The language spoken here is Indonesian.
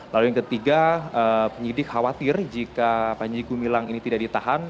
lalu yang ketiga penyidik khawatir jika panji gumilang ini tidak ditahan